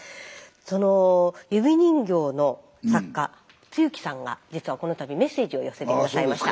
その指人形の作家露木さんが実はこの度メッセージを寄せて下さいました。